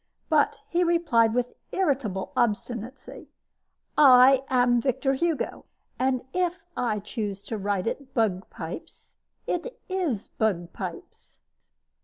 But he replied with irritable obstinacy: "I am Victor Hugo; and if I choose to write it 'bugpipes,' it IS 'bugpipes.'